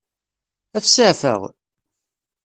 Ad t-seɛfeɣ?